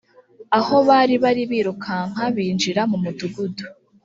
aho bari bari birukanka binjira mu mudugudu